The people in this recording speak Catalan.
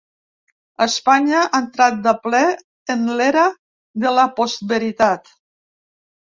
Espanya ha entrat de ple en l’era de la postveritat.